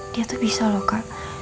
dia tuh bisa loh kak